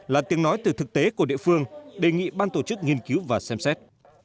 là tiếng nói từ thực tế của địa phương đề nghị ban tổ chức nghiên cứu và xem xét